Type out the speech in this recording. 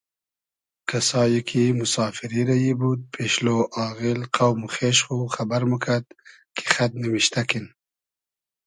کئسایی کی موسافیری رئیی بود پېشلۉ آغیل قۆم و خېش خو خئبئر موکئد کی خئد نیمشتۂ کین